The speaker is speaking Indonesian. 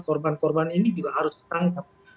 korban korban ini juga harus ditangkap